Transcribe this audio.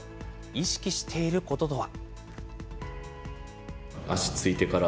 意識していることとは。